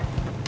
ya udah siap